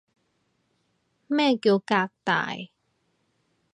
咩叫革大